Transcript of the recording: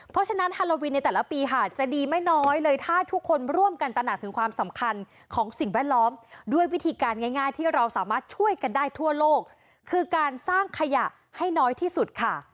เพราะฉะนั้นฮาโลวินในแต่ละปีค่ะจะดีไม่น้อยเลยถ้าทุกคนร่วมกันตระหนักถึงความสำคัญของสิ่งแวดล้อมด้วยวิธีการง่ายที่เราสามารถช่วยกันได้ทั่วโลกคือการสร้างขยะให้น้อยที่สุดค่ะ